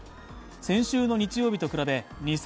先週の日曜日と比べ２８０６